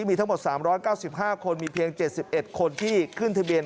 มีทั้งหมดสามร้อยเก้าสิบห้าคนมีเพียงเจ็ดสิบเอ็ดคนที่ขึ้นทะเบียน